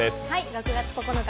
６月９日